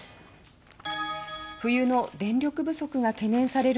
冬の電力不足が懸念される